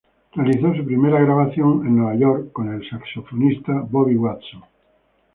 Realizó su primera grabación en Nueva York con el saxofonista Bobby Watson.